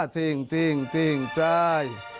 ติ่งติ่งติ่งจ่าย